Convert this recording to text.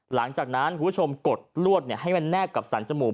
หลังจากนั้นคุณผู้ชมกดลวดให้มันแนบกับสรรจมูก